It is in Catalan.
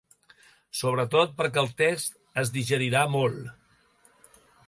Sobretot, perquè el text es digerirà molt.